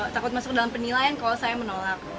takut masuk dalam penilaian kalau saya menolak